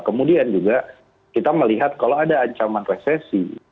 kemudian juga kita melihat kalau ada ancaman resesi